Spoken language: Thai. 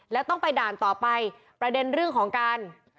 แล้วต้องไปด่านต่อไปประเด็นเรื่องของการ